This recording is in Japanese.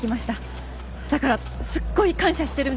だからすっごい感謝してるんです。